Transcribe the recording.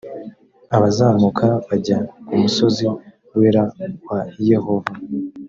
abazamuka bajya ku musozi wera wa yehova